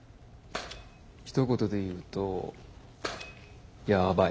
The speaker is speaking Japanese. ひと言で言うとヤバい。